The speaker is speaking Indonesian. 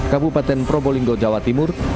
kabupaten probolinggo jawa timur